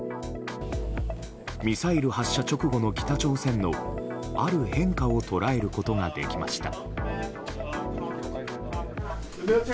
ミサイル発射直後の北朝鮮のある変化を捉えることができました。